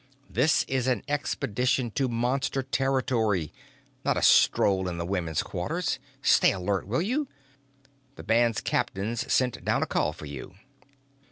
This is an expedition to Monster territory, not a stroll in the women's quarters. Stay alert, will you? The band captain's sent down a call for you."